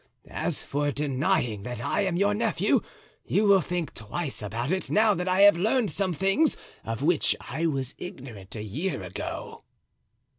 As for denying that I am your nephew, you will think twice about it, now that I have learned some things of which I was ignorant a year ago."